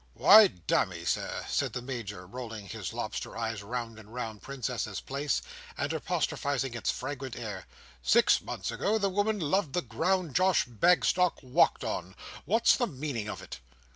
"Why, damme, Sir," said the Major, rolling his lobster eyes round and round Princess's Place, and apostrophizing its fragrant air, "six months ago, the woman loved the ground Josh Bagstock walked on. What's the meaning of it?"